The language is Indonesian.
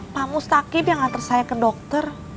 pak mustakib yang ngantar saya ke dokter